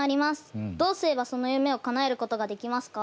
どうすればその夢をかなえることができますか？